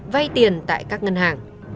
vay tiền tại các ngân hàng